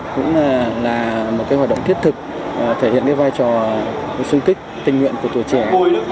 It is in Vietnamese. cũng là một hoạt động thiết thực thể hiện cái vai trò sung kích tình nguyện của tuổi trẻ